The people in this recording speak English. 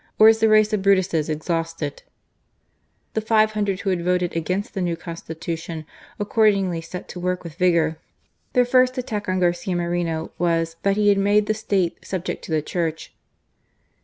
or is the race of Brutuses ex hausted ?" The five hundred who had voted against the new Constitution accordingly set to work with vigour. Their first attack on Garcia Moreno was, that he had made the State subject to the Church.